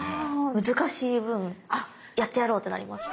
難しい分やってやろうってなります。